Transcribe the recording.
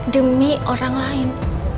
demi orang lain